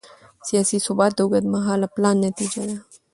سیاسي ثبات د اوږدمهاله پلان نتیجه ده